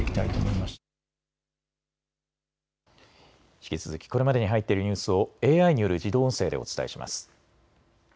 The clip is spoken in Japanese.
引き続きこれまでに入っているニュースをＡＩによる自動音声でお伝えします。